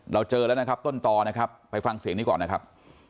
เราเจอแล้วนะครับต้นต่อนะครับไปฟังเสียงนี้ก่อนนะครับ